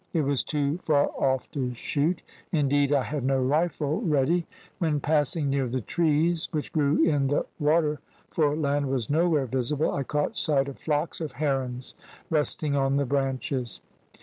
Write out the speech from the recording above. It was too far off to shoot; indeed, I had no rifle ready. When passing near the trees which grew in the water for land was nowhere visible I caught sight of flocks of herons resting on the branches.